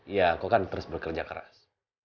ya aku kan terus bekerja keras